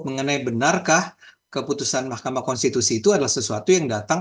mengenai benarkah keputusan mahkamah konstitusi itu adalah sesuatu yang datang